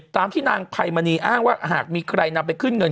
ตามที่นางไพมณีอ้างว่าหากมีใครนำไปขึ้นเงิน